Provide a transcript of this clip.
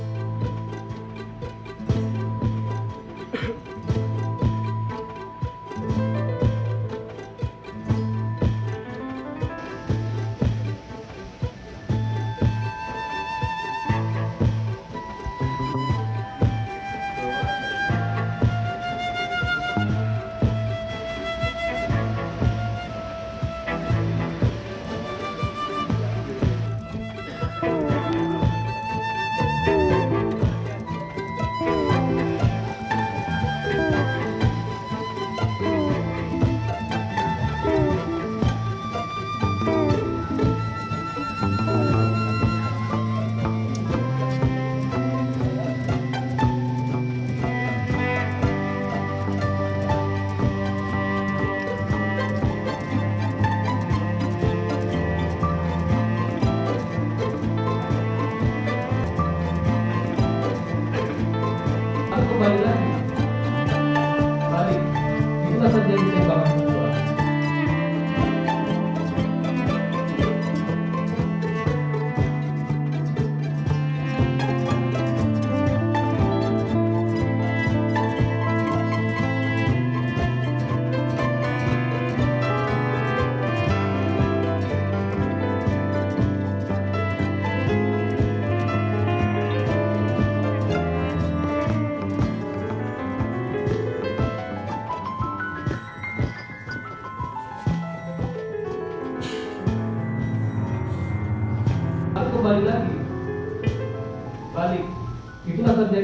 sampai jumpa di video selanjutnya